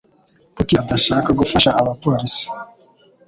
Kuki udashaka gufasha abapolisi?